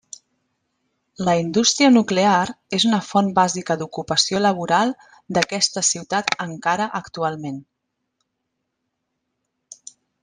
La indústria nuclear és una font bàsica d'ocupació laboral d'aquesta ciutat encara actualment.